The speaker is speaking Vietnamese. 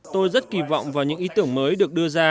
tôi rất kỳ vọng vào những ý tưởng mới được đưa ra